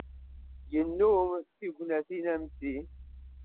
Yennum tignatin am ti.